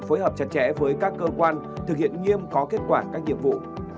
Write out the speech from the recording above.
phối hợp chặt chẽ với các cơ quan thực hiện nghiêm có kết quả các nhiệm vụ